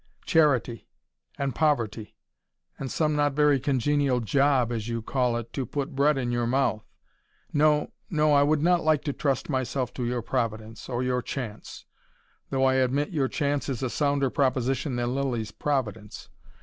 "Charity and poverty and some not very congenial 'job,' as you call it, to put bread in your mouth. No, no, I would not like to trust myself to your Providence, or to your Chance. Though I admit your Chance is a sounder proposition than Lilly's Providence.